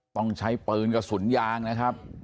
ต้องใช้ปืนกระสุนยางนะครับ